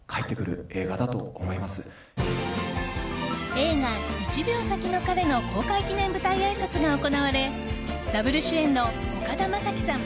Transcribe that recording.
映画「１秒先の彼」の公開記念舞台あいさつが行われダブル主演の岡田将生さん